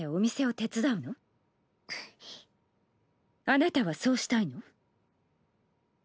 あなたはそうしたいの？